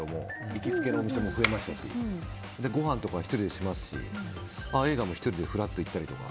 行きつけのお店も増えましたしごはんとか１人でしますし映画も１人でふらっと行ったりとか。